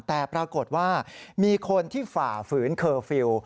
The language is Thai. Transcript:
แต่ปรากฏว่ามีคนที่ฝ่าฝืนเคอร์ฟิลล์